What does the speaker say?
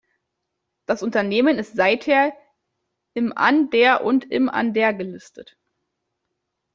Das Unternehmen ist seither im an der und im an der gelistet.